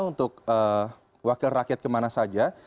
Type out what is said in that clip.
untuk wakil rakyat kemana saja